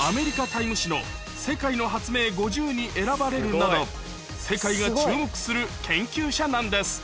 アメリカ、タイム誌の世界の発明５０に選ばれるなど、世界が注目する研究者なんです。